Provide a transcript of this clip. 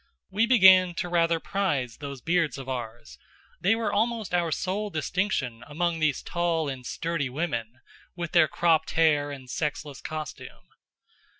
We began to rather prize those beards of ours; they were almost our sole distinction among those tall and sturdy women, with their cropped hair and sexless costume.